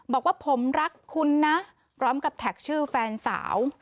บอกว่าผมรักคุณนะพร้อมกับแท็กชื่อแฟนสาว